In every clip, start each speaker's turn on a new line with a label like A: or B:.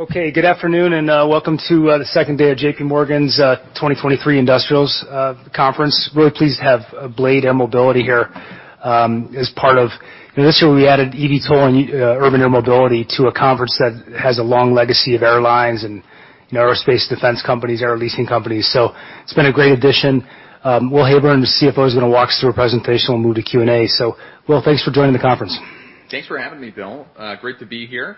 A: Okay. Good afternoon, and welcome to the second day of JP Morgan's 2023 Industrials Conference. Really pleased to have Blade Air Mobility here as part of... This year, we added eVTOL and urban air mobility to a conference that has a long legacy of airlines and, you know, aerospace defense companies, air leasing companies. It's been a great addition. Will Haburn, the CFO, is gonna walk us through a presentation. We'll move to Q&A. Will, thanks for joining the conference.
B: Thanks for having me, Bill. Great to be here.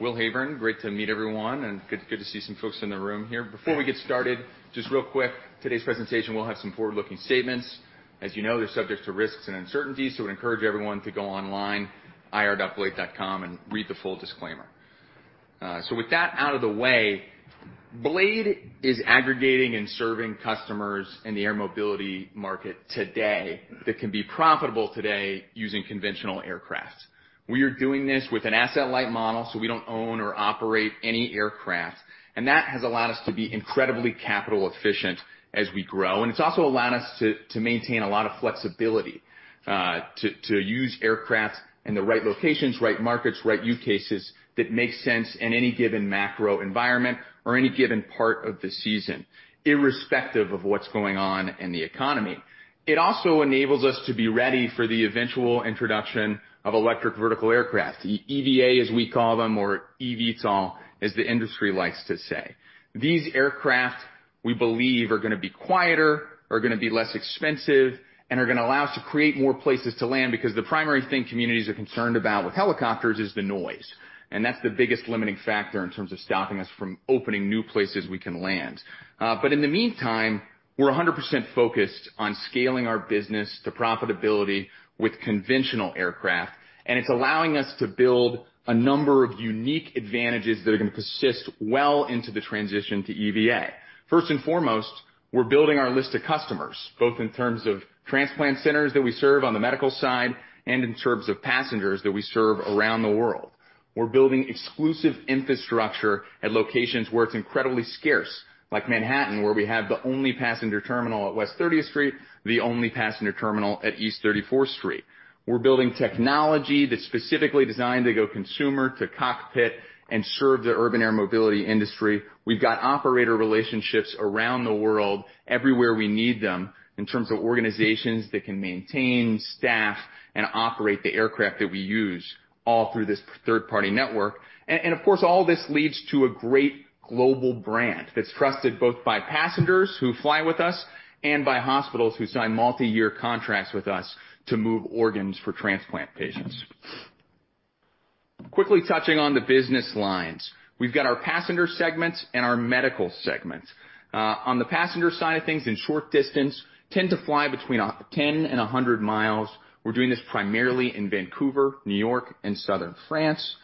B: Will Haburn. Great to meet everyone, good to see some folks in the room here. Before we get started, just real quick, today's presentation will have some forward-looking statements. As you know, they're subject to risks and uncertainties, we'd encourage everyone to go online, ir.blade.com, and read the full disclaimer. With that out of the way, Blade is aggregating and serving customers in the air mobility market today that can be profitable today using conventional aircraft. We are doing this with an asset-light model, we don't own or operate any aircraft, that has allowed us to be incredibly capital efficient as we grow. It's also allowed us to maintain a lot of flexibility, to use aircraft in the right locations, right markets, right use cases that make sense in any given macro environment or any given part of the season, irrespective of what's going on in the economy. It also enables us to be ready for the eventual introduction of electric vertical aircraft, EVAs we call them, or eVTOL as the industry likes to say. These aircraft, we believe, are gonna be quieter, less expensive, and allow us to create more places to land because the primary thing communities are concerned about with helicopters is the noise, and that's the biggest limiting factor in terms of stopping us from opening new places we can land. In the meantime, we're 100% focused on scaling our business to profitability with conventional aircraft, and it's allowing us to build a number of unique advantages that are gonna persist well into the transition to EVA. First and foremost, we're building our list of customers, both in terms of transplant centers that we serve on the medical side and in terms of passengers that we serve around the world. We're building exclusive infrastructure at locations where it's incredibly scarce, like Manhattan, where we have the only passenger terminal at West 30th Street, the only passenger terminal at East 34th Street. We're building technology that's specifically designed to go consumer to cockpit and serve the urban air mobility industry. We've got operator relationships around the world everywhere we need them in terms of organizations that can maintain staff and operate the aircraft that we use all through this third-party network. Of course, all this leads to a great global brand that's trusted both by passengers who fly with us and by hospitals who sign multiyear contracts with us to move organs for transplant patients. Quickly touching on the business lines. We've got our passenger segments and our medical segments. On the passenger side of things, in short distance, tend to fly between 10 and 100 miles. We're doing this primarily in Vancouver, New York, and Southern France.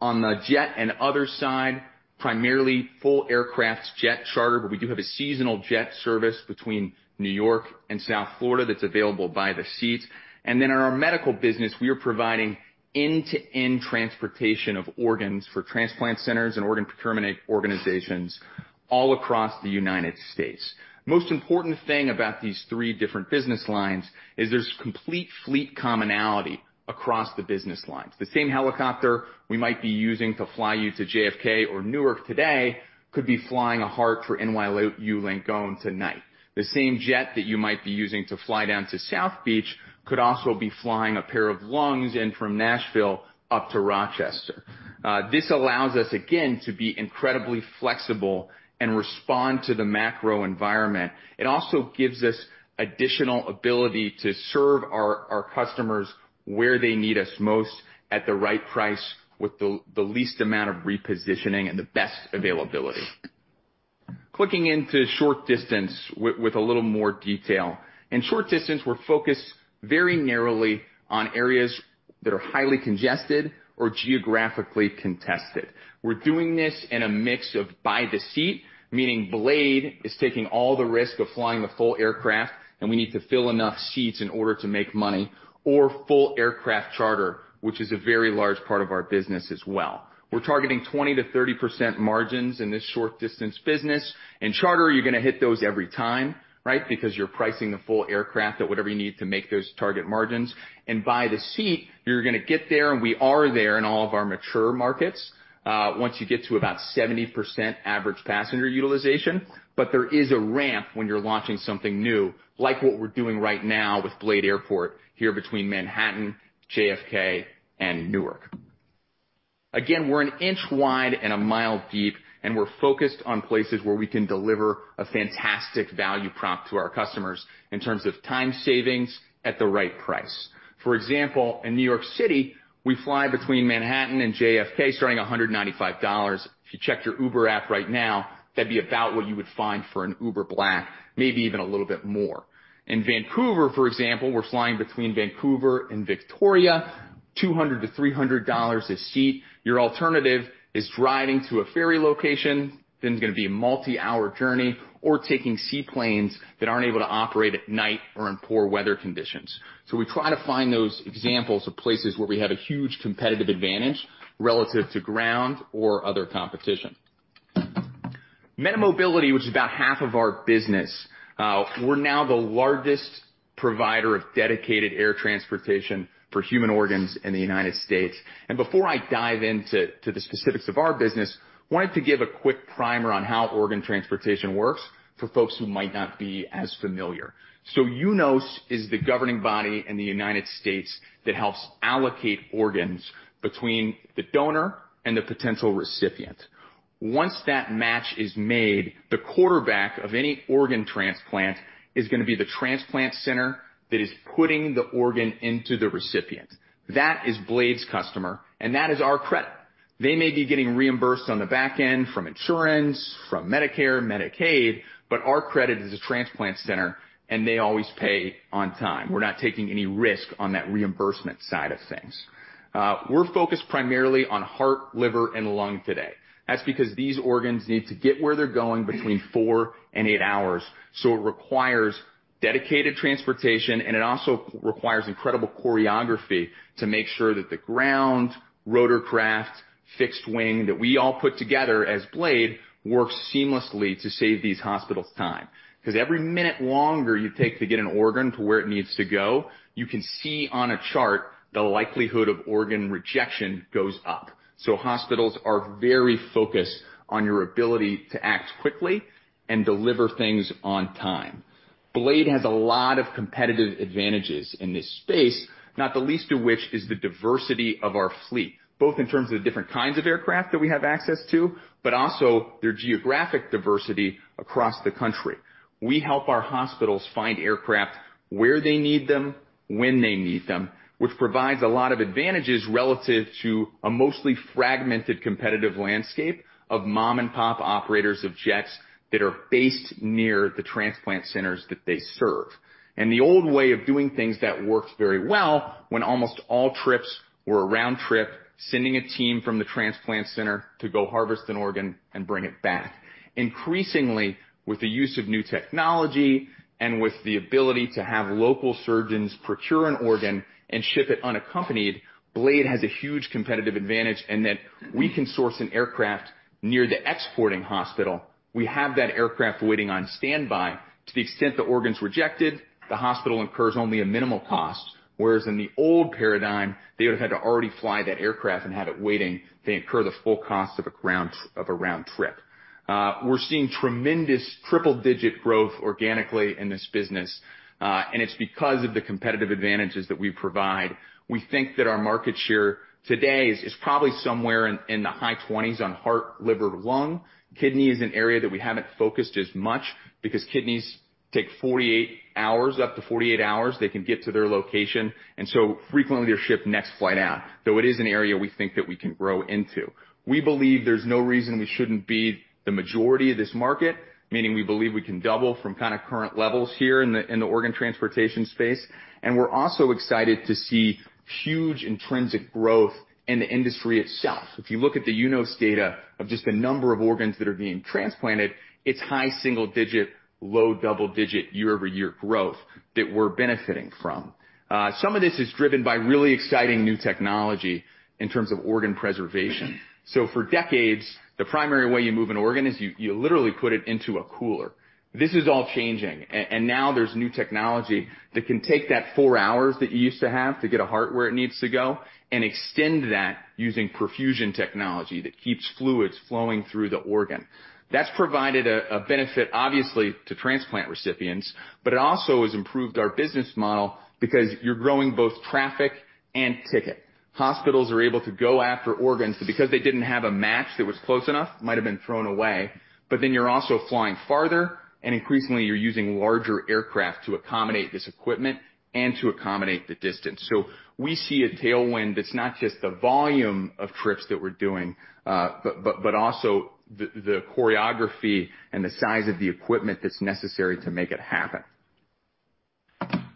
B: On the jet and other side, primarily full aircraft jet charter, but we do have a seasonal jet service between New York and South Florida that's available by the seat. In our medical business, we are providing end-to-end transportation of organs for transplant centers and organ procurement organizations all across the United States. Most important thing about these three different business lines is there's complete fleet commonality across the business lines. The same helicopter we might be using to fly you to JFK or Newark today could be flying a heart for NYU Langone tonight. The same jet that you might be using to fly down to South Beach could also be flying a pair of lungs in from Nashville up to Rochester. This allows us, again, to be incredibly flexible and respond to the macro environment. It also gives us additional ability to serve our customers where they need us most at the right price with the least amount of repositioning and the best availability. Clicking into short distance with a little more detail. In short distance, we're focused very narrowly on areas that are highly congested or geographically contested. We're doing this in a mix of by-the-seat, meaning Blade is taking all the risk of flying the full aircraft, and we need to fill enough seats in order to make money, or full aircraft charter, which is a very large part of our business as well. We're targeting 20%-30% margins in this short distance business. In charter, you're gonna hit those every time, right? Because you're pricing the full aircraft at whatever you need to make those target margins. By the seat, you're gonna get there, and we are there in all of our mature markets, once you get to about 70% average passenger utilization. There is a ramp when you're launching something new, like what we're doing right now with Blade Airport here between Manhattan, JFK, and Newark. Again, we're an inch wide and a mile deep, and we're focused on places where we can deliver a fantastic value prop to our customers in terms of time savings at the right price. In New York City, we fly between Manhattan and JFK starting $195. If you check your Uber app right now, that'd be about what you would find for an Uber Black, maybe even a little bit more. In Vancouver, for example, we're flying between Vancouver and Victoria, $200-$300 a seat. Your alternative is driving to a ferry location, then it's gonna be a multi-hour journey, or taking seaplanes that aren't able to operate at night or in poor weather conditions. We try to find those examples of places where we have a huge competitive advantage relative to ground or other competition. Meta Mobility, which is about half of our business, we're now the largest provider of dedicated air transportation for human organs in the United States. Before I dive into the specifics of our business, wanted to give a quick primer on how organ transportation works for folks who might not be as familiar. UNOS is the governing body in the United States that helps allocate organs between the donor and the potential recipient. Once that match is made, the quarterback of any organ transplant is gonna be the transplant center that is putting the organ into the recipient. That is Blade's customer. That is our credit. They may be getting reimbursed on the back end from insurance, from Medicare, Medicaid, but our credit is a transplant center, and they always pay on time. We're not taking any risk on that reimbursement side of things. We're focused primarily on heart, liver, and lung today. That's because these organs need to get where they're going between 4 and 8 hours. It requires dedicated transportation, and it also requires incredible choreography to make sure that the ground, rotorcraft, fixed wing that we all put together as Blade works seamlessly to save these hospitals time. Cause every minute longer you take to get an organ to where it needs to go, you can see on a chart the likelihood of organ rejection goes up. Hospitals are very focused on your ability to act quickly and deliver things on time. Blade has a lot of competitive advantages in this space, not the least of which is the diversity of our fleet, both in terms of the different kinds of aircraft that we have access to, but also their geographic diversity across the country. We help our hospitals find aircraft where they need them, when they need them, which provides a lot of advantages relative to a mostly fragmented competitive landscape of mom-and-pop operators of jets that are based near the transplant centers that they serve. The old way of doing things that worked very well when almost all trips were a round trip, sending a team from the transplant center to go harvest an organ and bring it back. Increasingly, with the use of new technology and with the ability to have local surgeons procure an organ and ship it unaccompanied, Blade has a huge competitive advantage in that we can source an aircraft near the exporting hospital. We have that aircraft waiting on standby. To the extent the organ's rejected, the hospital incurs only a minimal cost, whereas in the old paradigm, they would've had to already fly that aircraft and had it waiting. They incur the full cost of a round trip. We're seeing tremendous triple-digit growth organically in this business, and it's because of the competitive advantages that we provide. We think that our market share today is probably somewhere in the high twenties on heart, liver, lung. Kidney is an area that we haven't focused as much because kidneys take 48 hours, up to 48 hours, they can get to their location, so frequently they're shipped next flight out, though it is an area we think that we can grow into. We believe there's no reason we shouldn't be the majority of this market, meaning we believe we can double from kinda current levels here in the organ transportation space. We're also excited to see huge intrinsic growth in the industry itself. If you look at the UNOS data of just the number of organs that are being transplanted, it's high single-digit, low double-digit year-over-year growth that we're benefiting from. Some of this is driven by really exciting new technology in terms of organ preservation. For decades, the primary way you move an organ is you literally put it into a cooler. This is all changing and now there's new technology that can take that 4 hours that you used to have to get a heart where it needs to go and extend that using perfusion technology that keeps fluids flowing through the organ. That's provided a benefit obviously to transplant recipients. It also has improved our business model because you're growing both traffic and ticket. Hospitals are able to go after organs that because they didn't have a match that was close enough, might have been thrown away. You're also flying farther and increasingly you're using larger aircraft to accommodate this equipment and to accommodate the distance. We see a tailwind that's not just the volume of trips that we're doing, but also the choreography and the size of the equipment that's necessary to make it happen.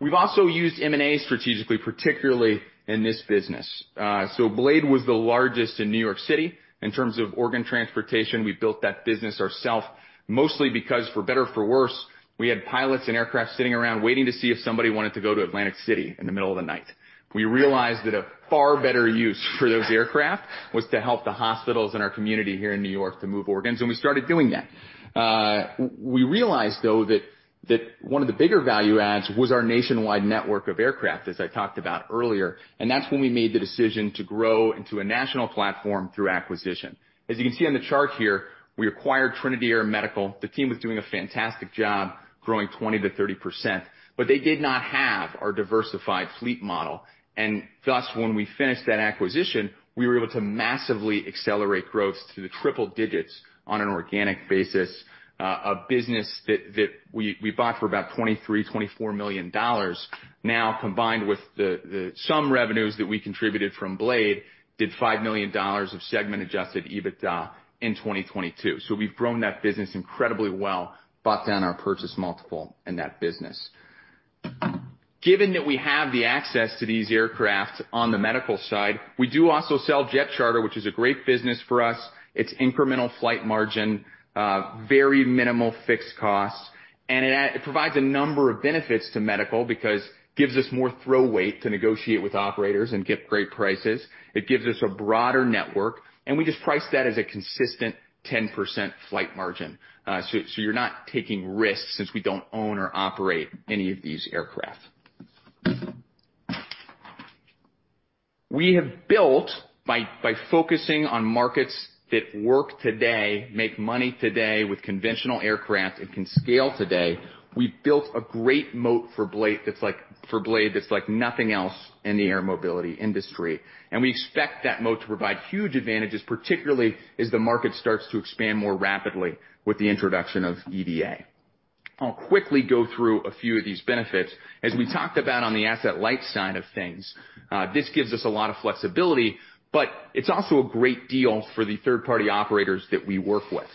B: We've also used M&A strategically, particularly in this business. Blade was the largest in New York City in terms of organ transportation. We built that business ourself mostly because for better or for worse, we had pilots and aircraft sitting around waiting to see if somebody wanted to go to Atlantic City in the middle of the night. We realized that a far better use for those aircraft was to help the hospitals in our community here in New York to move organs, and we started doing that. We realized though that one of the bigger value adds was our nationwide network of aircraft, as I talked about earlier. That's when we made the decision to grow into a national platform through acquisition. As you can see on the chart here, we acquired Trinity Air Medical. The team was doing a fantastic job growing 20%-30%, but they did not have our diversified fleet model. Thus, when we finished that acquisition, we were able to massively accelerate growth to the triple digits on an organic basis. A business that we bought for about $23 million-$24 million now combined with the sum revenues that we contributed from Blade did $5 million of Segment Adjusted EBITDA in 2022. We've grown that business incredibly well, bought down our purchase multiple in that business. Given that we have the access to these aircraft on the medical side, we do also sell jet charter, which is a great business for us. It's incremental flight margin, very minimal fixed costs. It provides a number of benefits to medical because gives us more throw weight to negotiate with operators and get great prices. It gives us a broader network, we just price that as a consistent 10% flight margin. You're not taking risks since we don't own or operate any of these aircraft. We have built by focusing on markets that work today, make money today with conventional aircraft and can scale today, we've built a great moat for Blade that's like nothing else in the air mobility industry. We expect that moat to provide huge advantages, particularly as the market starts to expand more rapidly with the introduction of EVA. I'll quickly go through a few of these benefits. As we talked about on the asset-light side of things, this gives us a lot of flexibility, but it's also a great deal for the third-party operators that we work with.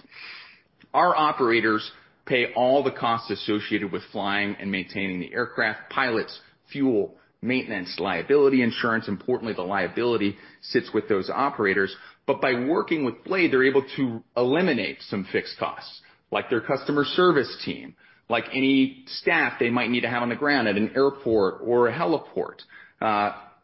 B: Our operators pay all the costs associated with flying and maintaining the aircraft, pilots, fuel, maintenance, liability insurance. Importantly, the liability sits with those operators. By working with Blade, they're able to eliminate some fixed costs, like their customer service team, like any staff they might need to have on the ground at an airport or a heliport.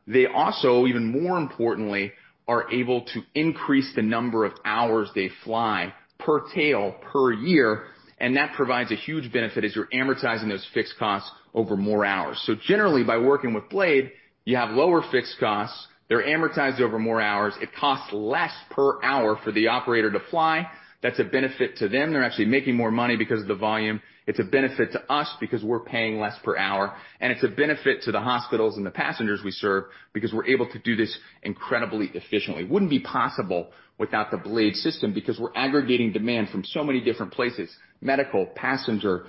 B: They also, even more importantly, are able to increase the number of hours they fly per tail per year. That provides a huge benefit as you're amortizing those fixed costs over more hours. Generally, by working with Blade, you have lower fixed costs. They're amortized over more hours. It costs less per hour for the operator to fly. That's a benefit to them. They're actually making more money because of the volume. It's a benefit to us because we're paying less per hour, and it's a benefit to the hospitals and the passengers we serve because we're able to do this incredibly efficiently. Wouldn't be possible without the Blade system because we're aggregating demand from so many different places, medical, passenger,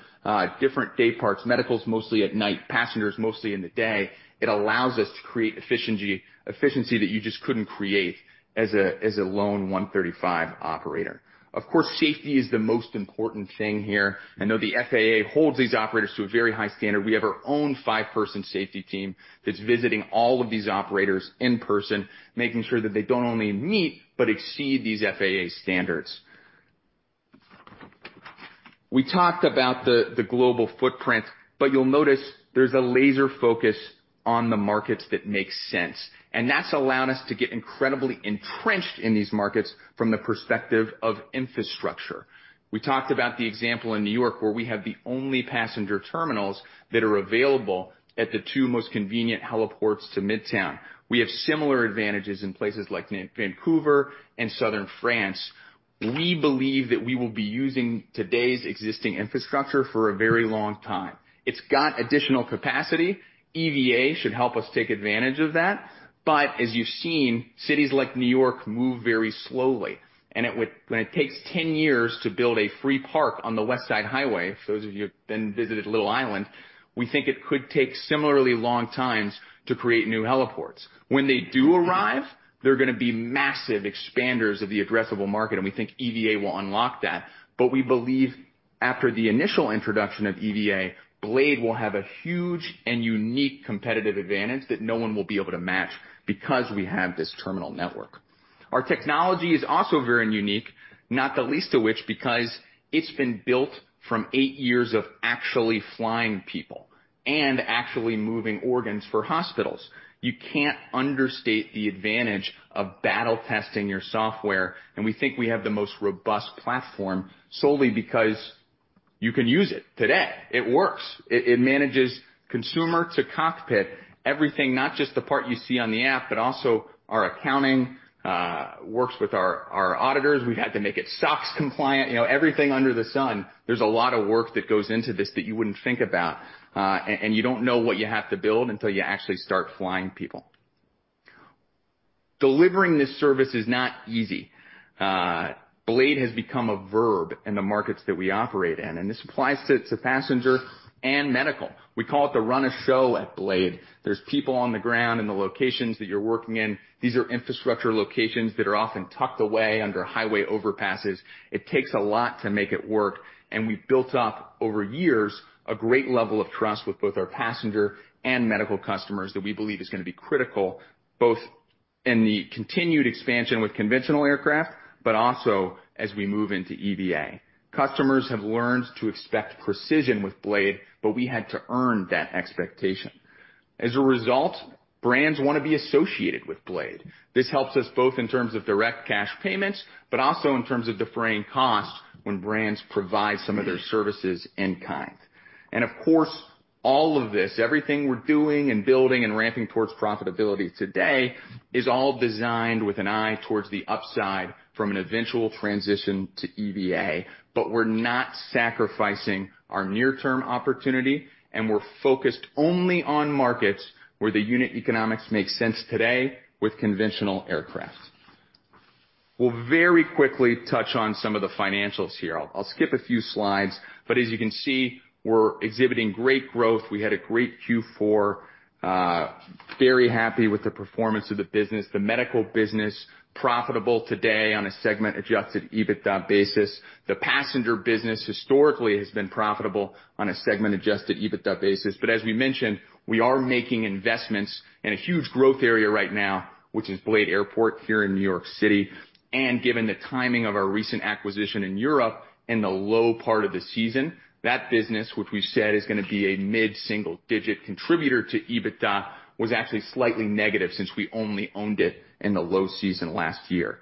B: different day parts, medical's mostly at night, passengers mostly in the day. It allows us to create efficiency that you just couldn't create as a, as a lone Part 135 operator. Of course, safety is the most important thing here. I know the FAA holds these operators to a very high standard. We have our own five-person safety team that's visiting all of these operators in person, making sure that they don't only meet but exceed these FAA standards. We talked about the global footprint, but you'll notice there's a laser focus on the markets that make sense. That's allowed us to get incredibly entrenched in these markets from the perspective of infrastructure. We talked about the example in New York, where we have the only passenger terminals that are available at the 2 most convenient heliports to Midtown. We have similar advantages in places like Vancouver and Southern France. We believe that we will be using today's existing infrastructure for a very long time. It's got additional capacity. EVA should help us take advantage of that. As you've seen, cities like New York move very slowly, and when it takes 10 years to build a free park on the West Side Highway, for those of you who've been visited Little Island, we think it could take similarly long times to create new heliports. When they do arrive, they're gonna be massive expanders of the addressable market, and we think EVA will unlock that. We believe after the initial introduction of EVA, Blade will have a huge and unique competitive advantage that no one will be able to match because we have this terminal network. Our technology is also very unique, not the least of which because it's been built from 8 years of actually flying people and actually moving organs for hospitals. You can't understate the advantage of battle testing your software. We think we have the most robust platform solely because you can use it today. It works. It manages consumer to cockpit, everything, not just the part you see on the app, but also our accounting, works with our auditors. We had to make it SOX compliant, you know, everything under the sun. There's a lot of work that goes into this that you wouldn't think about, and you don't know what you have to build until you actually start flying people. Delivering this service is not easy. Blade has become a verb in the markets that we operate in, and this applies to passenger and medical. We call it the run of show at Blade. There's people on the ground in the locations that you're working in. These are infrastructure locations that are often tucked away under highway overpasses. It takes a lot to make it work, and we've built up, over years, a great level of trust with both our passenger and medical customers that we believe is gonna be critical, both in the continued expansion with conventional aircraft, but also as we move into EVA. Customers have learned to expect precision with Blade, but we had to earn that expectation. As a result, brands wanna be associated with Blade. This helps us both in terms of direct cash payments, also in terms of deferring costs when brands provide some of their services in kind. Of course, all of this, everything we're doing and building and ramping towards profitability today is all designed with an eye towards the upside from an eventual transition to EVA. We're not sacrificing our near-term opportunity, we're focused only on markets where the unit economics make sense today with conventional aircraft. We'll very quickly touch on some of the financials here. I'll skip a few slides, as you can see, we're exhibiting great growth. We had a great Q4. Very happy with the performance of the business. The medical business profitable today on a Segment Adjusted EBITDA basis. The passenger business historically has been profitable on a Segment Adjusted EBITDA basis. As we mentioned, we are making investments in a huge growth area right now, which is Blade Airport here in New York City. Given the timing of our recent acquisition in Europe in the low part of the season, that business, which we've said is gonna be a mid-single digit contributor to EBITDA, was actually slightly negative since we only owned it in the low season last year.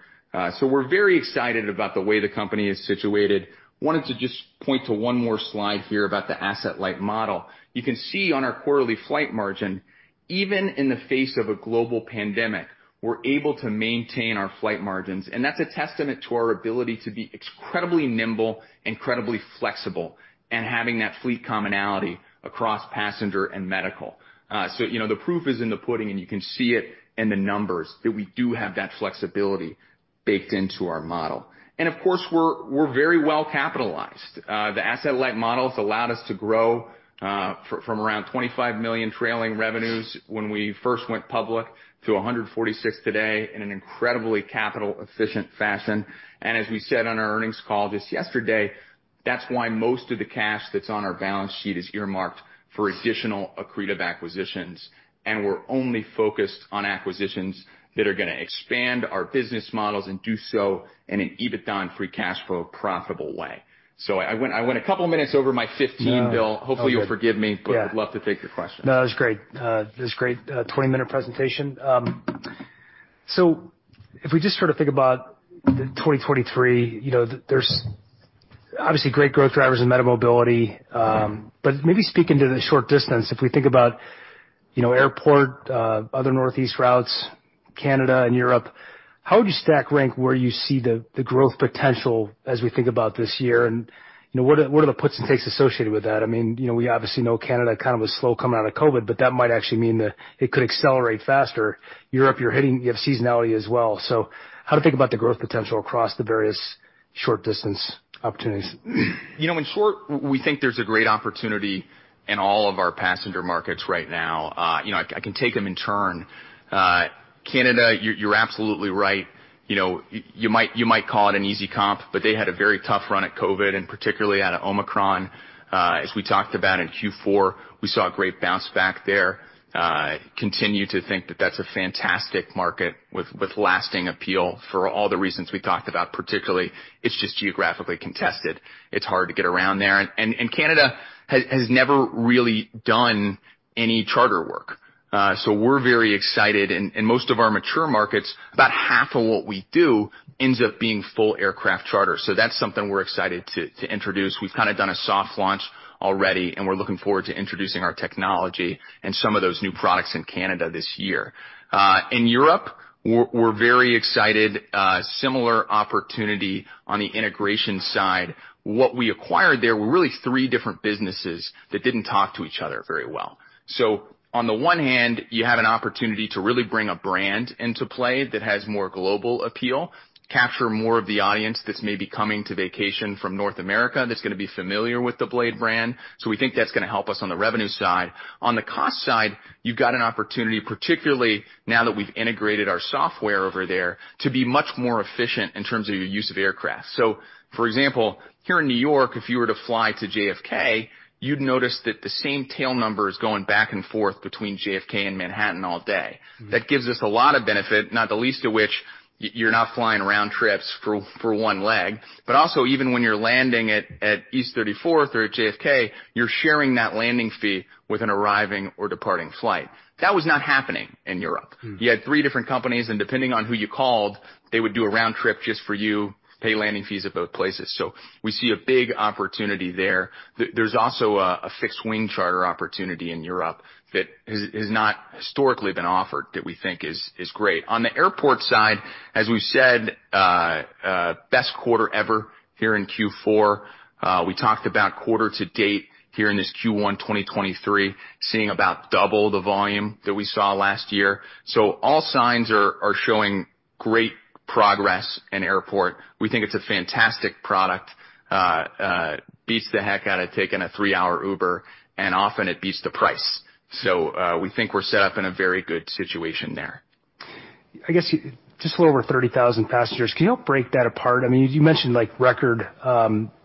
B: We're very excited about the way the company is situated. Wanted to just point to one more slide here about the asset-light model. You can see on our quarterly flight margin, even in the face of a global pandemic, we're able to maintain our flight margins, and that's a testament to our ability to be incredibly nimble, incredibly flexible in having that fleet commonality across passenger and medical. You know, the proof is in the pudding, you can see it in the numbers that we do have that flexibility baked into our model. Of course, we're very well capitalized. The asset-light model has allowed us to grow from around $25 million trailing revenues when we first went public to $146 today in an incredibly capital efficient fashion. As we said on our earnings call just yesterday, that's why most of the cash that's on our balance sheet is earmarked for additional accretive acquisitions, and we're only focused on acquisitions that are gonna expand our business models and do so in an EBITDA and free cash flow profitable way. I went a couple of minutes over my 15, Will Heyburn.
A: No.
B: Hopefully you'll forgive me.
A: Yeah.
B: I'd love to take your questions.
A: No, it was great. It was great, 20-minute presentation. If we just sort of think about the 2023, you know, there's obviously great growth drivers in Meta Mobility, but maybe speaking to the short distance, if we think about, you know, airport, other Northeast routes, Canada and Europe, how would you stack rank where you see the growth potential as we think about this year? You know, what are the puts and takes associated with that? I mean, you know, we obviously know Canada kind of was slow coming out of COVID, but that might actually mean that it could accelerate faster. Europe, you have seasonality as well. How to think about the growth potential across the various short distance opportunities?
B: You know, in short, we think there's a great opportunity in all of our passenger markets right now. You know, I can take them in turn. Canada, you're absolutely right. You know, you might, you might call it an easy comp, but they had a very tough run at COVID, and particularly out of Omicron. As we talked about in Q4, we saw a great bounce back there. Continue to think that that's a fantastic market with lasting appeal for all the reasons we talked about. Particularly, it's just geographically contested. It's hard to get around there. Canada has never really done any charter work. We're very excited, and in most of our mature markets, about half of what we do ends up being full aircraft charter. That's something we're excited to introduce. We've kinda done a soft launch already. We're looking forward to introducing our technology and some of those new products in Canada this year. In Europe, we're very excited, similar opportunity on the integration side. What we acquired there were really three different businesses that didn't talk to each other very well. On the one hand, you had an opportunity to really bring a brand into play that has more global appeal, capture more of the audience that's maybe coming to vacation from North America, that's gonna be familiar with the Blade brand. We think that's gonna help us on the revenue side. On the cost side, you've got an opportunity, particularly now that we've integrated our software over there, to be much more efficient in terms of your use of aircraft. For example, here in New York, if you were to fly to JFK, you'd notice that the same tail number is going back and forth between JFK and Manhattan all day.
A: Mm-hmm.
B: That gives us a lot of benefit, not the least of which you're not flying round trips for one leg. Also, even when you're landing at East 34th or at JFK, you're sharing that landing fee with an arriving or departing flight. That was not happening in Europe.
A: Mm.
B: You had 3 different companies. Depending on who you called, they would do a round trip just for you, pay landing fees at both places. We see a big opportunity there. There's also a fixed wing charter opportunity in Europe that has not historically been offered that we think is great. On the Airport side, as we've said, best quarter ever here in Q4. We talked about quarter to date here in this Q1 2023, seeing about double the volume that we saw last year. All signs are showing great progress in Airport. We think it's a fantastic product. Beats the heck out of taking a three-hour Uber, and often it beats the price. We think we're set up in a very good situation there.
A: I guess Just a little over 30,000 passengers. Can you help break that apart? I mean, you mentioned like record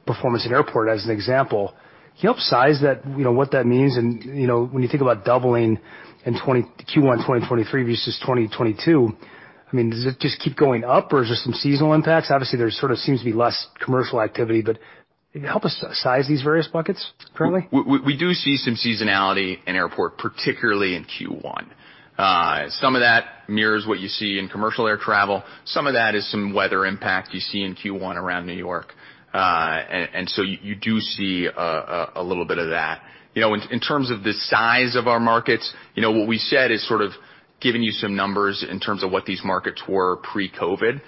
A: performance in Blade Airport as an example. Can you help size that, you know, what that means? You know, when you think about doubling in Q1 2023 versus 2022, I mean, does it just keep going up, or is there some seasonal impacts? Obviously, there sort of seems to be less commercial activity, but can you help us size these various buckets currently?
B: We do see some seasonality in airport, particularly in Q1. Some of that mirrors what you see in commercial air travel. Some of that is some weather impact you see in Q1 around New York. And so you do see a little bit of that. You know, in terms of the size of our markets, you know, what we said is sort of giving you some numbers in terms of what these markets were pre-COVID.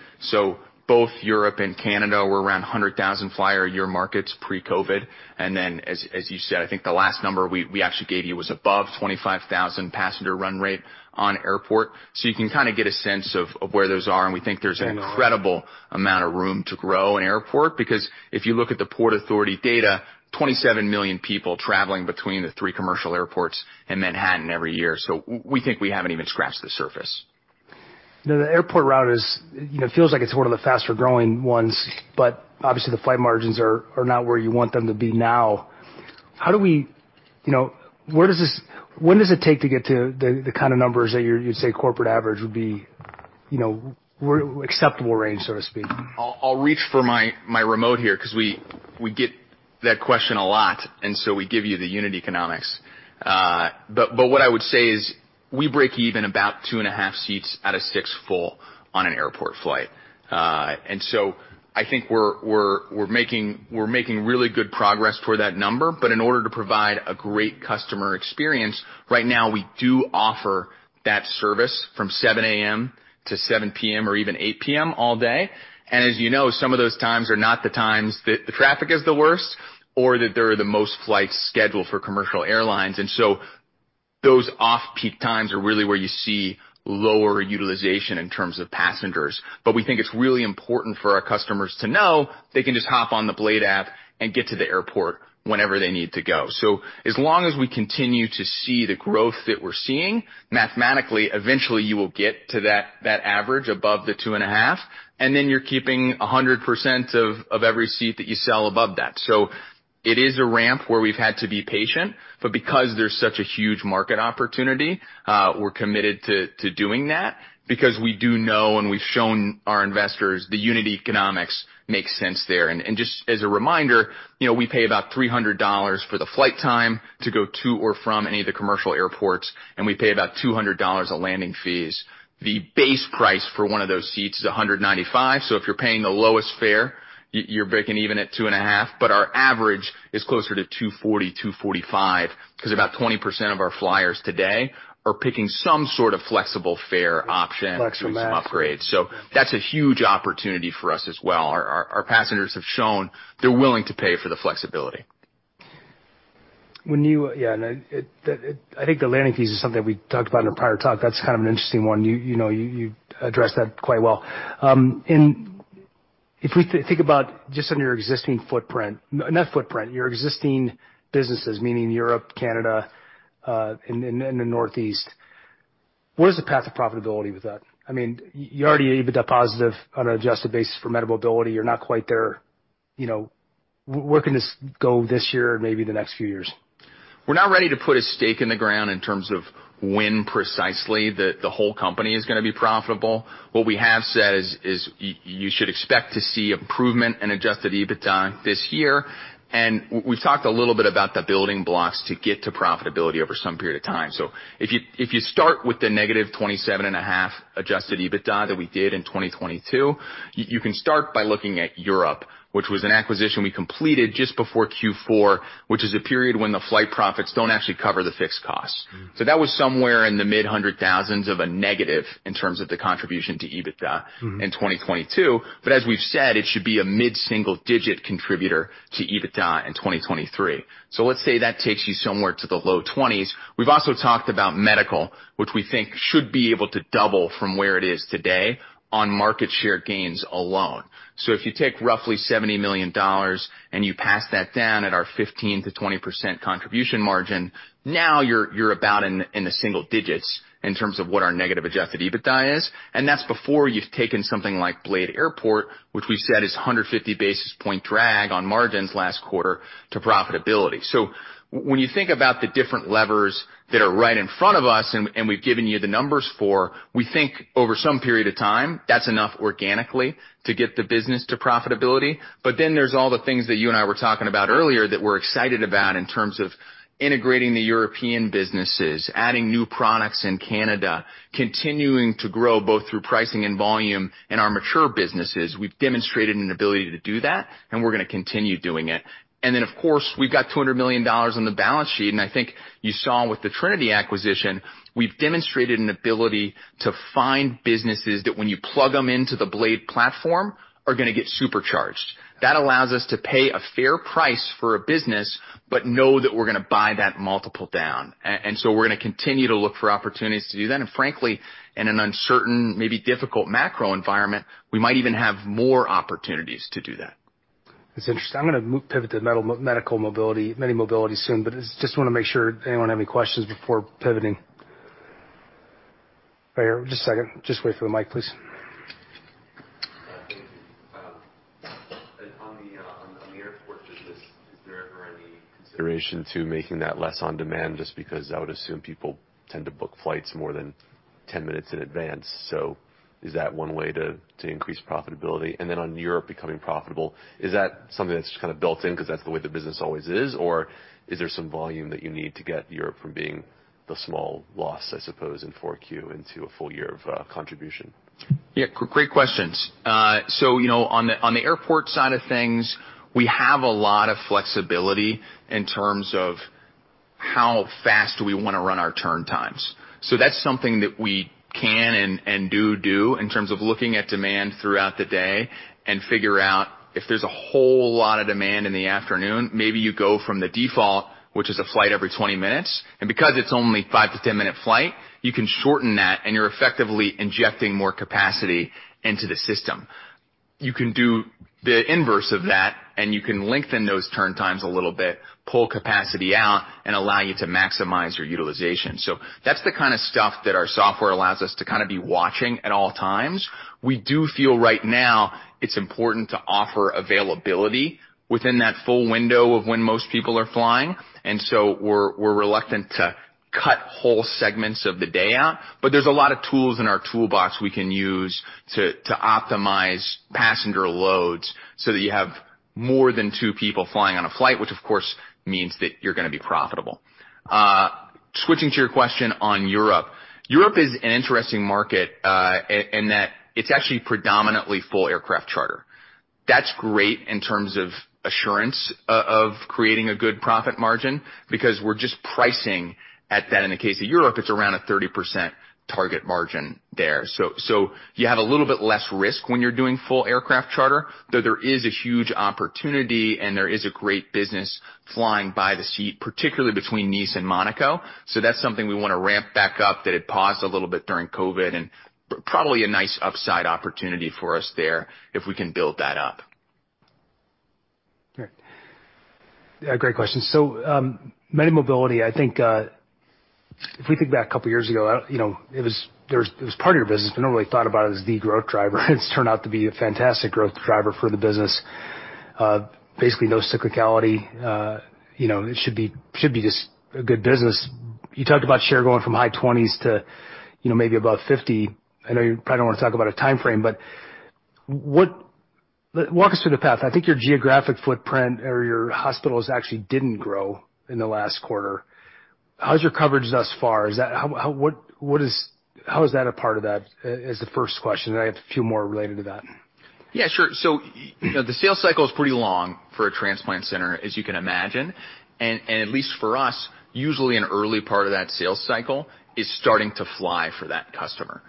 B: Both Europe and Canada were around 100,000 flyer a year markets pre-COVID. As you said, I think the last number we actually gave you was above 25,000 passenger run rate on airport. You can kind of get a sense of where those are, and we think there's an-
A: I know....
B: incredible amount of room to grow in airport, because if you look at the Port Authority data, 27 million people traveling between the three commercial airports in Manhattan every year. We think we haven't even scratched the surface.
A: Now, the airport route is, you know, feels like it's one of the faster-growing ones. Obviously the flight margins are not where you want them to be now. You know, when does it take to get to the kind of numbers that you're, you'd say corporate average would be, you know, acceptable range, so to speak?
B: I'll reach for my remote here 'cause we get that question a lot. We give you the unit economics. What I would say is we break even about 2.5 seats out of 6 full on an airport flight. I think we're making really good progress toward that number. In order to provide a great customer experience, right now we do offer that service from 7:00 A.M. to 7:00 P.M. or even 8:00 P.M. all day. As you know, some of those times are not the times that the traffic is the worst or that there are the most flights scheduled for commercial airlines. Those off-peak times are really where you see lower utilization in terms of passengers. We think it's really important for our customers to know they can just hop on the Blade app and get to the airport whenever they need to go. As long as we continue to see the growth that we're seeing, mathematically, eventually you will get to that average above the 2.5, and then you're keeping 100% of every seat that you sell above that. It is a ramp where we've had to be patient, but because there's such a huge market opportunity, we're committed to doing that because we do know, and we've shown our investors the unit economics make sense there. Just as a reminder, you know, we pay about $300 for the flight time to go to or from any of the commercial airports, and we pay about $200 of landing fees. The base price for one of those seats is $195, so if you're paying the lowest fare, you're breaking even at two and a half. Our average is closer to $240, $245 'cause about 20% of our flyers today are picking some sort of flexible fare option.
A: Flexible match...
B: doing some upgrades. That's a huge opportunity for us as well. Our passengers have shown they're willing to pay for the flexibility.
A: Yeah, no, it, the, it... I think the landing fees is something we talked about in a prior talk. That's kind of an interesting one. You know, you addressed that quite well. If we think about just on your existing footprint. Not footprint, your existing businesses, meaning Europe, Canada, and then the Northeast, where's the path of profitability with that? I mean, you're already EBITDA positive on an adjusted basis for Medmobility. You're not quite there. You know, where can this go this year or maybe the next few years?
B: We're not ready to put a stake in the ground in terms of when precisely the whole company is gonna be profitable. What we have said is you should expect to see improvement in Adjusted EBITDA this year, and we've talked a little bit about the building blocks to get to profitability over some period of time. If you start with the negative $twenty-seven and a half Adjusted EBITDA that we did in 2022, you can start by looking at Europe, which was an acquisition we completed just before Q4, which is a period when the flight profits don't actually cover the fixed costs.
A: Mm-hmm.
B: That was somewhere in the $ mid-hundred thousands of a negative in terms of the contribution to EBITDA.
A: Mm-hmm...
B: in 2022. As we've said, it should be a mid-single-digit contributor to EBITDA in 2023. Let's say that takes you somewhere to the low 20s. We've also talked about medical, which we think should be able to double from where it is today on market share gains alone. If you take roughly $70 million, and you pass that down at our 15%-20% contribution margin, now you're about in the single digits in terms of what our negative Adjusted EBITDA is. That's before you've taken something like Blade Airport, which we've said is a 150 basis point drag on margins last quarter, to profitability. When you think about the different levers that are right in front of us, and we've given you the numbers for, we think over some period of time, that's enough organically to get the business to profitability. There's all the things that you and I were talking about earlier that we're excited about in terms of integrating the European businesses, adding new products in Canada, continuing to grow both through pricing and volume in our mature businesses. We've demonstrated an ability to do that, and we're gonna continue doing it. Of course, we've got $200 million on the balance sheet, and I think you saw with the Trinity acquisition, we've demonstrated an ability to find businesses that when you plug them into the Blade platform, are gonna get supercharged. That allows us to pay a fair price for a business, but know that we're gonna buy that multiple down. We're gonna continue to look for opportunities to do that. Frankly, in an uncertain, maybe difficult macro environment, we might even have more opportunities to do that.
A: That's interesting. I'm gonna pivot to medical mobility, Medimobility soon, but it's... Just wanna make sure anyone have any questions before pivoting. Right here. Just a second. Just wait for the mic, please.
C: Yeah. Thank you. On the airport business, is there ever any consideration to making that less on demand? Just because I would assume people tend to book flights more than 10 minutes in advance. Is that one way to increase profitability? On Europe becoming profitable, is that something that's just kinda built in 'cause that's the way the business always is? Is there some volume that you need to get Europe from being the small loss, I suppose, in 4Q into a full year of contribution?
B: Yeah, great questions. you know, on the, on the airport side of things, we have a lot of flexibility in terms of how fast we wanna run our turn times. That's something that we can and do in terms of looking at demand throughout the day and figure out if there's a whole lot of demand in the afternoon, maybe you go from the default, which is a flight every 20 minutes, and because it's only 5-10 minute flight, you can shorten that, and you're effectively injecting more capacity into the system. You can do the inverse of that, and you can lengthen those turn times a little bit, pull capacity out, and allow you to maximize your utilization. That's the kind of stuff that our software allows us to kind of be watching at all times. We do feel right now it's important to offer availability within that full window of when most people are flying. We're reluctant to cut whole segments of the day out. There's a lot of tools in our toolbox we can use to optimize passenger loads so that you have more than two people flying on a flight, which of course means that you're gonna be profitable. Switching to your question on Europe. Europe is an interesting market in that it's actually predominantly full aircraft charter. That's great in terms of assurance of creating a good profit margin because we're just pricing at that. In the case of Europe, it's around a 30% target margin there. You have a little bit less risk when you're doing full aircraft charter, though there is a huge opportunity and there is a great business flying by the seat, particularly between Nice and Monaco. That's something we wanna ramp back up, that it paused a little bit during COVID, and probably a nice upside opportunity for us there if we can build that up.
A: Great. Yeah, great question. Medimobility, I think, if we think back a couple years ago, you know, it was part of your business. Nobody thought about it as the growth driver. It's turned out to be a fantastic growth driver for the business. Basically no cyclicality. You know, it should be just a good business. You talked about share going from high 20s to, you know, maybe above 50. I know you probably don't wanna talk about a timeframe. Walk us through the path. I think your geographic footprint or your hospitals actually didn't grow in the last quarter. How's your coverage thus far? How is that a part of that is the first question. I have a few more related to that.
B: Yeah, sure. You know, the sales cycle is pretty long for a transplant center, as you can imagine. At least for us, usually an early part of that sales cycle is starting to fly for that customer.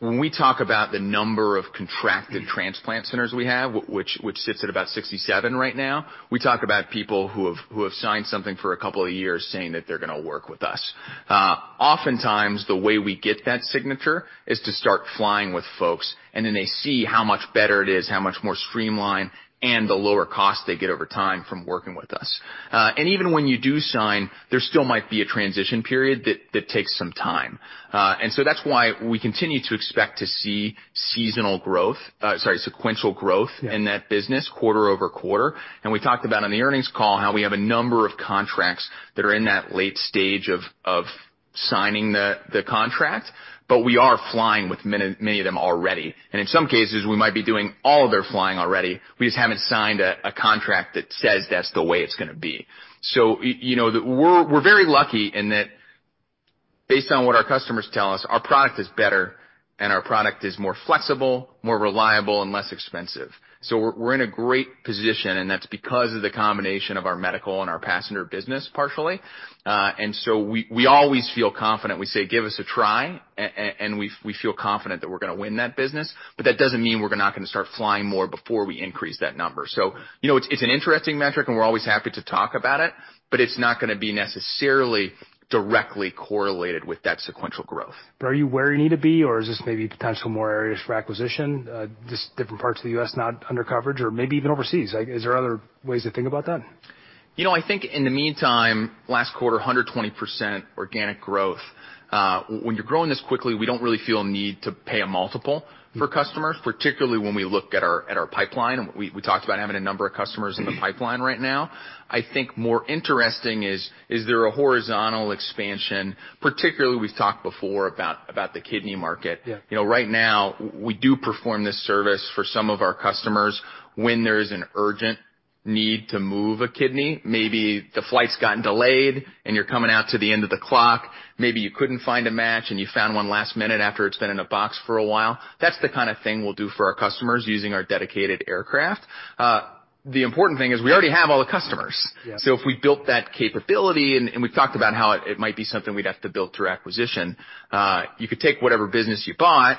B: When we talk about the number of contracted transplant centers we have, which sits at about 67 right now, we talk about people who have signed something for a couple of years saying that they're gonna work with us. Oftentimes, the way we get that signature is to start flying with folks, and then they see how much better it is, how much more streamlined, and the lower cost they get over time from working with us. Even when you do sign, there still might be a transition period that takes some time. That's why we continue to expect to see seasonal growth, sorry, sequential growth.
A: Yeah.
B: in that business quarter-over-quarter. We talked about on the earnings call how we have a number of contracts that are in that late stage of signing the contract, but we are flying with many of them already. In some cases, we might be doing all of their flying already, we just haven't signed a contract that says that's the way it's gonna be. You know, We're very lucky in that based on what our customers tell us, our product is better and our product is more flexible, more reliable, and less expensive. We're in a great position, and that's because of the combination of our medical and our passenger business, partially. We always feel confident. We say, "Give us a try," we feel confident that we're gonna win that business. That doesn't mean we're not gonna start flying more before we increase that number. You know, it's an interesting metric, and we're always happy to talk about it, but it's not gonna be necessarily directly correlated with that sequential growth.
A: Are you where you need to be or is this maybe potential more areas for acquisition, just different parts of the U.S. not under coverage or maybe even overseas? Like is there other ways to think about that?
B: You know, I think in the meantime, last quarter, 120% organic growth. When you're growing this quickly, we don't really feel a need to pay a multiple for customers, particularly when we look at our, at our pipeline. We talked about having a number of customers in the pipeline right now. I think more interesting is there a horizontal expansion, particularly we've talked before about the kidney market.
A: Yeah.
B: You know, right now we do perform this service for some of our customers when there's an urgent need to move a kidney. Maybe the flight's gotten delayed and you're coming out to the end of the clock. Maybe you couldn't find a match, and you found one last minute after it's been in a box for a while. That's the kinda thing we'll do for our customers using our dedicated aircraft. The important thing is we already have all the customers.
A: Yeah.
B: If we built that capability, and we've talked about how it might be something we'd have to build through acquisition, you could take whatever business you bought,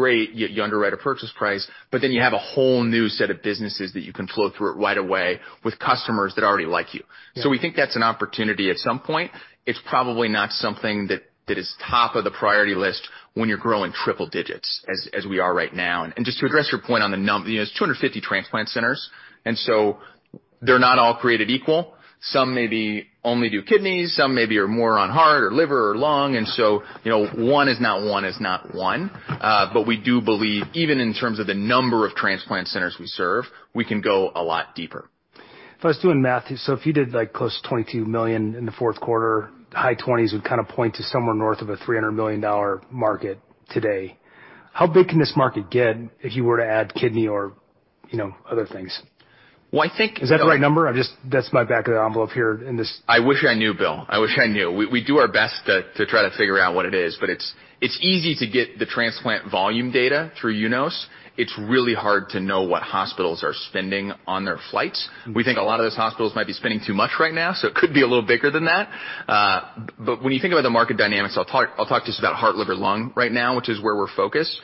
B: great, you underwrite a purchase price, but then you have a whole new set of businesses that you can flow through it right away with customers that already like you.
A: Yeah.
B: We think that's an opportunity at some point. It's probably not something that is top of the priority list when you're growing triple digits as we are right now. Just to address your point on the num--, you know, it's 250 transplant centers. They're not all created equal. Some maybe only do kidneys, some maybe are more on heart or liver or lung. You know, one is not one is not one. We do believe, even in terms of the number of transplant centers we serve, we can go a lot deeper.
A: If I was doing math, so if you did like close to $22 million in the fourth quarter, high twenties would kind of point to somewhere north of a $300 million market today. How big can this market get if you were to add kidney or, you know, other things?
B: Well.
A: Is that the right number? I'm just... That's my back of the envelope here in this-
B: I wish I knew, Bill. I wish I knew. We do our best to try to figure out what it is, but it's easy to get the transplant volume data through UNOS. It's really hard to know what hospitals are spending on their flights. We think a lot of those hospitals might be spending too much right now, it could be a little bigger than that. When you think about the market dynamics, I'll talk just about heart, liver, lung right now, which is where we're focused.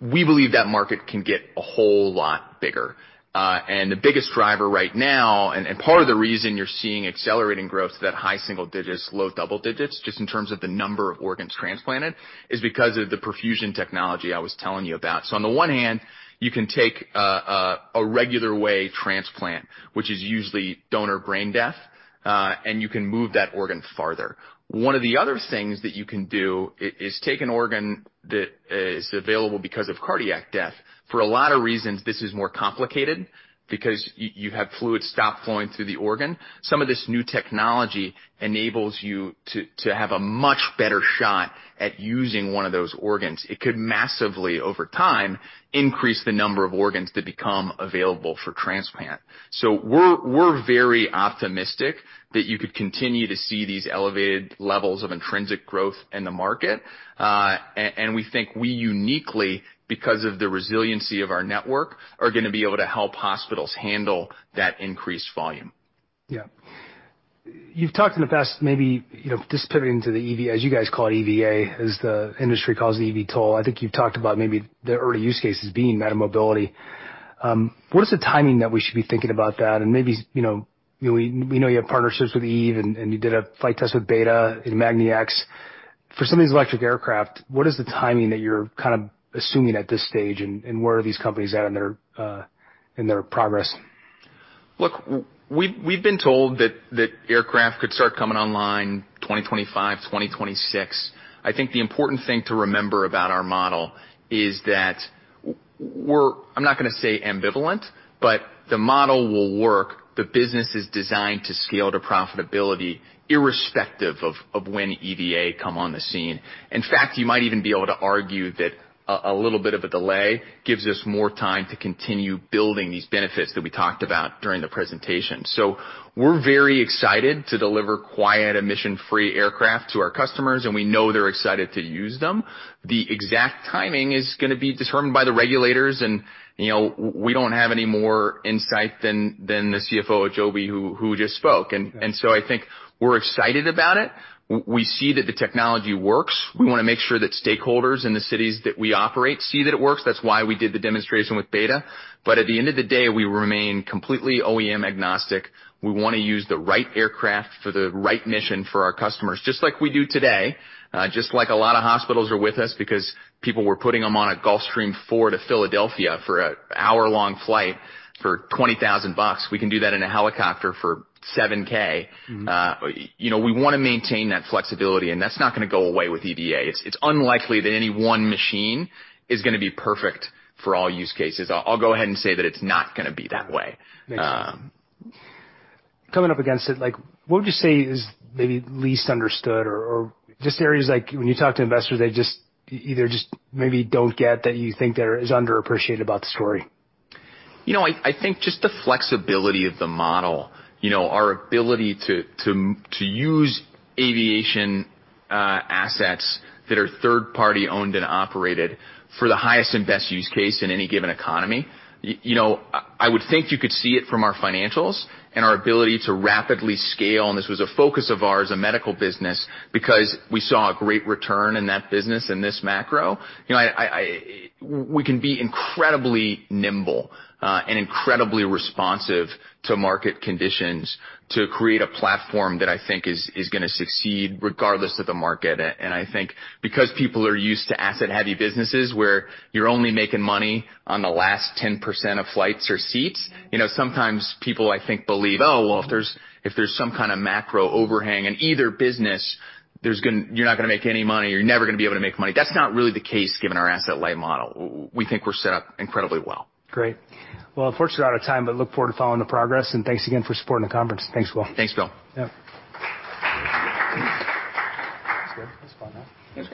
B: We believe that market can get a whole lot bigger. The biggest driver right now, and part of the reason you're seeing accelerating growth to that high single digits, low double digits, just in terms of the number of organs transplanted, is because of the perfusion technology I was telling you about. On the one hand, you can take a regular way transplant, which is usually donor brain death, and you can move that organ farther. One of the other things that you can do is take an organ that is available because of cardiac death. For a lot of reasons, this is more complicated because you have fluid stop flowing through the organ. Some of this new technology enables you to have a much better shot at using one of those organs. It could massively, over time, increase the number of organs that become available for transplant. We're very optimistic that you could continue to see these elevated levels of intrinsic growth in the market. And we think we uniquely, because of the resiliency of our network, are gonna be able to help hospitals handle that increased volume.
A: Yeah. You've talked in the past, maybe, you know, just pivoting to the EV, as you guys call it EVA, as the industry calls it eVTOL, I think you've talked about maybe the early use cases being metamobility. What is the timing that we should be thinking about that? Maybe, you know, we know you have partnerships with Eve and you did a flight test with Beta and magniX. For some of these electric aircraft, what is the timing that you're kind of assuming at this stage, and where are these companies at in their progress?
B: Look, we've been told that aircraft could start coming online 2025, 2026. I think the important thing to remember about our model is that we're, I'm not gonna say ambivalent, but the model will work. The business is designed to scale to profitability irrespective of when EVA come on the scene. In fact, you might even be able to argue that a little bit of a delay gives us more time to continue building these benefits that we talked about during the presentation. We're very excited to deliver quiet emission-free aircraft to our customers, and we know they're excited to use them. The exact timing is gonna be determined by the regulators, and, you know, we don't have any more insight than the CFO of Joby who just spoke. I think we're excited about it. We see that the technology works. We wanna make sure that stakeholders in the cities that we operate see that it works. That's why we did the demonstration with BETA. At the end of the day, we remain completely OEM agnostic. We wanna use the right aircraft for the right mission for our customers, just like we do today, just like a lot of hospitals are with us because people were putting them on a Gulfstream four to Philadelphia for a hour-long flight for $20,000. We can do that in a helicopter for $7,000.
A: Mm-hmm.
B: You know, we wanna maintain that flexibility. That's not gonna go away with EVA. It's unlikely that any one machine is gonna be perfect for all use cases. I'll go ahead and say that it's not gonna be that way.
A: Makes sense. Coming up against it, like what would you say is maybe least understood or just areas like when you talk to investors, they either just maybe don't get that you think there is underappreciated about the story?
B: You know, I think just the flexibility of the model, you know, our ability to use aviation assets that are third party owned and operated for the highest and best use case in any given economy. You know, I would think you could see it from our financials and our ability to rapidly scale, and this was a focus of ours, a medical business, because we saw a great return in that business in this macro. You know, we can be incredibly nimble and incredibly responsive to market conditions to create a platform that I think is gonna succeed regardless of the market. I think because people are used to asset heavy businesses, where you're only making money on the last 10% of flights or seats, you know, sometimes people I think believe, "Oh, well, if there's, if there's some kinda macro overhang in either business, you're not gonna make any money or you're never gonna be able to make money." That's not really the case given our asset light model. We think we're set up incredibly well.
A: Great. Well, unfortunately, we're out of time, but look forward to following the progress, and thanks again for supporting the conference. Thanks, Will.
B: Thanks, Bill.
A: Yeah. That's good. That's fun, huh?